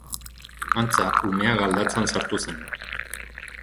Antza, umea galtzadan sartu zen.